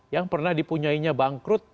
yang pernah dipunyainya bangkrut